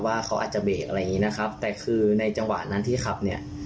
ว่าเขาอาจจะเบรกอะไรอย่างงี้นะครับแต่คือในจังหวะนั้นที่ขับเนี่ย